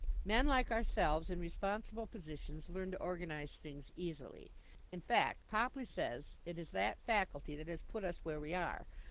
Men like ourselves in responsible positions learn to organize things easily. In fact Popley says it is that faculty that has put us where we are.